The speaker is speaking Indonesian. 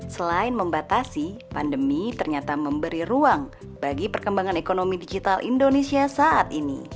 selain membatasi pandemi ternyata memberi ruang bagi perkembangan ekonomi digital indonesia saat ini